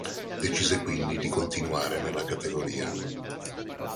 Decise quindi di continuare nella categoria.